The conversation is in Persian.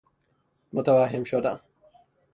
متوهم شدن